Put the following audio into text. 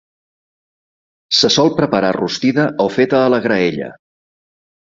Se sol preparar rostida o feta a la graella.